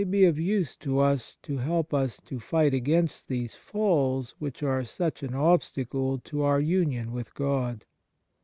THE MARVELS OF DIVINE GRACE use to us to help us to fight against these falls which are such an obstacle to our union with God.